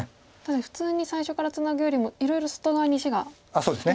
普通に最初からツナぐよりもいろいろ外側に石がきてますね。